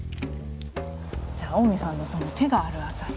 じゃ近江さんのその手がある辺り。